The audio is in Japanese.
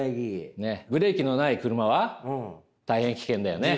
ブレーキのない車は大変危険だよね。